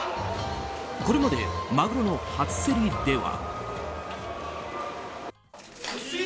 これまで、マグロの初競りでは。